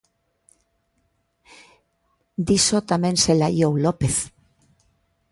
Diso tamén se laiou López...